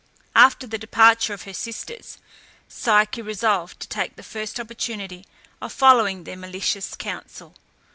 After the departure of her sisters, Psyche resolved to take the first opportunity of following their malicious counsel.